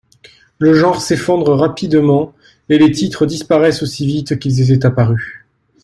Le genre s'effondre rapidement et les titres disparaissent aussi vite qu'ils étaient apparus.